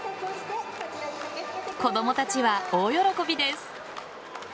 子供たちは大喜びです。